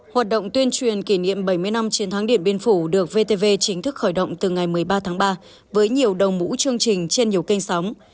hoạt động tuyên truyền kỷ niệm bảy mươi năm chiến thắng điện biên phủ được vtv chính thức khởi động từ ngày một mươi ba tháng ba với nhiều đồng mũ chương trình trên nhiều kênh sóng